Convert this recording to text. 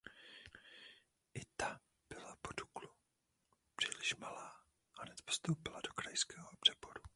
I ta byla pro Duklu příliš malá a hned postoupila do krajského přeboru.